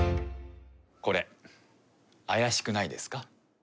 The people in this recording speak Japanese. これ、怪しくないですか？